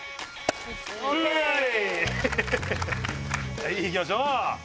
はいいきましょう。